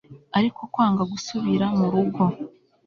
ariko kwanga gusubira murugo